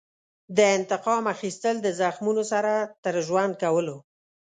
د انتقام اخیستل د زخمونو سره تر ژوند کولو.